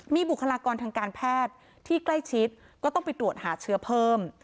มีบุคลากรทางการแพทย์ที่ใกล้ชิดก็ต้องไปตรวจหาเชื้อเพิ่ม